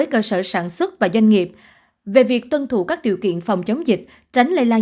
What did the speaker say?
cơ sở sản xuất và doanh nghiệp về việc tuân thủ các điều kiện phòng chống dịch tránh lây lan